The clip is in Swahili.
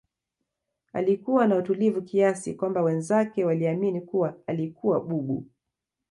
alikuwa na utulivu kiasi kwamba wenzake waliamini kuwa alikuwa bubu